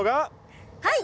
はい！